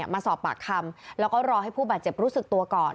มาสอบปากคำแล้วก็รอให้ผู้บาดเจ็บรู้สึกตัวก่อน